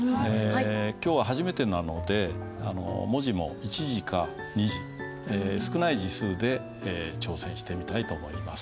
今日は初めてなので文字も１字か２字少ない字数で挑戦してみたいと思います。